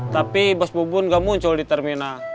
tapi bos bubun gak muncul di terminal